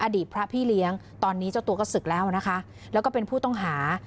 อดีตพระพี่เลี้ยงตอนนี้เจ้าตัวก็ศึกแล้วนะคะแล้วก็เป็นผู้ต้องหา